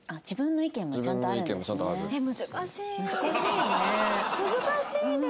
自分の意見もちゃんとあるんですね。